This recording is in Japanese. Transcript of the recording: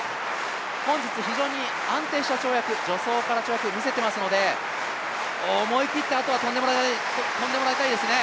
本日非常に安定した跳躍みせていますので思い切って、あとは跳んでもらいたいですね。